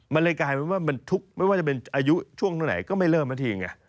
มันเลยกลายเป็นว่ามันทุกข์ไม่ว่าจะเป็นอายุช่วงไหนก็ไม่เริ่มสักทีไง